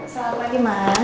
selamat pagi ma